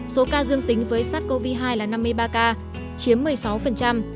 số ca dương tính với sát covid hai là năm mươi ba ca chiếm một mươi sáu